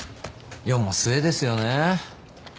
世も末ですよねえ。